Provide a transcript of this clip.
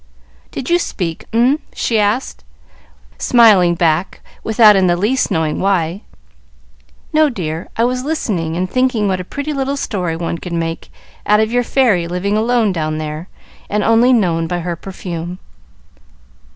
"Did you speak, 'm?" she asked, smiling back again, without in the least knowing why. "No, dear. I was listening and thinking what a pretty little story one could make out of your fairy living alone down there, and only known by her perfume."